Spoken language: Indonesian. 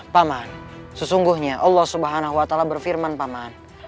paman sesungguhnya allah swt berfirman paman